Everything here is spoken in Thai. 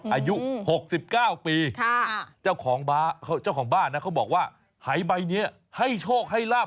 อายุ๖๙ปีเจ้าของบ้านนะเขาบอกว่าหายใบนี้ให้โชคให้ลาบ